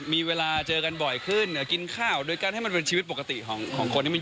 มีเวลาเจอกันบ่อยขึ้นเดี๋ยวกินข้าวโดยการให้มันเป็นชีวิตปกติของคนที่มัน